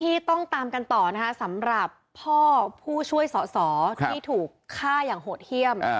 ที่ต้องตามกันต่อนะคะสำหรับพ่อผู้ช่วยสอสอที่ถูกฆ่าอย่างโหดเยี่ยม